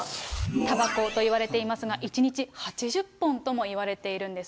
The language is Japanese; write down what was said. たばこといわれていますが、１日８０本ともいわれているんです。